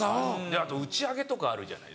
あと打ち上げとかあるじゃないですか。